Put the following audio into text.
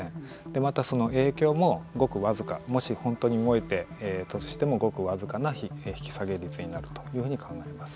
またその影響ももし本当に動いたとしてもごく僅かな引き下げ率になるというふうに考えます。